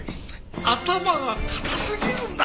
頭が固すぎるんだ君は！